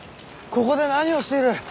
ここで何をしている。